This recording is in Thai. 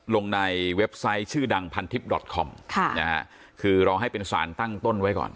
ลงในเว็บไซต์ชื่อดังพันทิพย์ดอตคอมค่ะนะฮะคือรอให้เป็นสารตั้งต้นไว้ก่อน